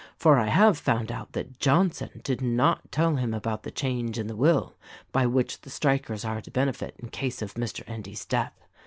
For I have found out that Johnson did not tell him about the change in the will by which the strikers are to benefit in case of Mr. Endy's death.